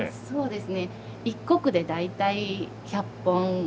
そうです。